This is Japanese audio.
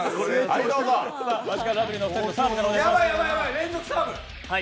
連続サーブ！